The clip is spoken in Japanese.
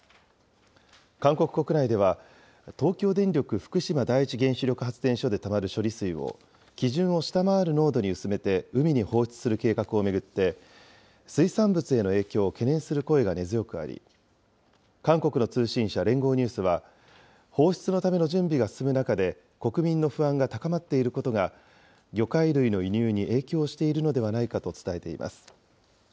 韓国国内では東京電力福島第一原子力発電所でたまる処理水を、基準を下回る濃度に薄めて海に放出する計画を巡って、水産物への影響を懸念する声が根強くあり、韓国の通信社、連合ニュースは、放出のための準備が進む中で、国民の不安が高まっていることが、魚介類の輸入に影響しているのではないかと伝えています。